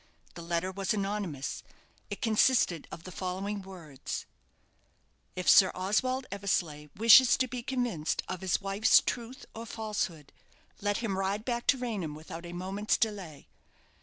The letter was anonymous. It consisted of the following words: "_If Sir Oswald Eversleigh wishes to be convinced of his wife's truth or falsehood, let him ride back to Raynham without a moment's delay.